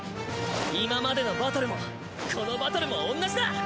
今までのバトルもこのバトルも同じだ！